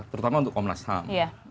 terutama untuk komnas ham